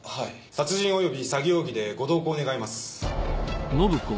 殺人及び詐欺容疑でご同行願います。